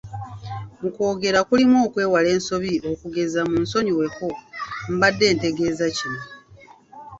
Okwogera kulimu okwewala ensobi okugeza munsonyiweko mbadde ntegeeza kino.